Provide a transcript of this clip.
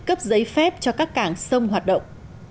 cấp giấy phép cho các cảng sông hoạt động